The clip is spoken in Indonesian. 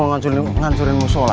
iya enak aja dia mau ngajurin mushollah